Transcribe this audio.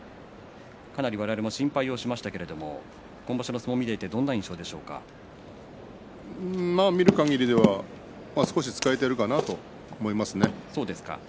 かなり我々も心配しましたけれども今場所の相撲を見ていて見るかぎりでは少し使えているかなと思いますね。